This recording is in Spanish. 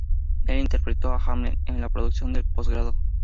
Él interpretó a Hamlet en la producción de posgrado.